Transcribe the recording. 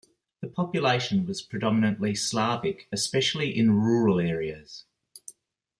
The population was predominately Slavic, especially in rural areas.